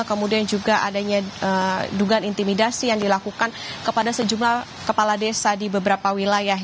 kemudian juga adanya dugaan intimidasi yang dilakukan kepada sejumlah kepala desa di beberapa wilayah